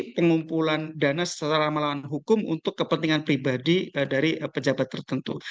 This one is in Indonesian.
pengumpulan dana secara melawan hukum untuk kepentingan pribadi dari pejabat tertentu